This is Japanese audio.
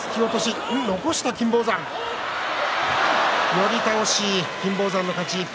寄り倒し金峰山の勝ち。